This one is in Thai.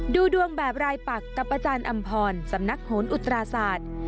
ดูดวงแบบรายปักกับอาจารย์อำพรสำนักโหนอุตราศาสตร์